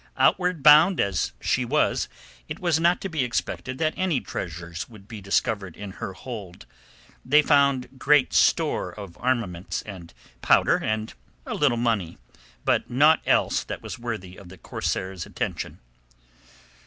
Outward bound as she was it was not to be expected that any treasures would be discovered in her hold. They found great store of armaments and powder and a little money; but naught else that was worthy of the corsairs' attention.